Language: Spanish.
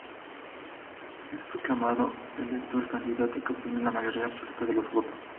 Es proclamado electo el candidato que obtiene la mayoría absoluta de los votos.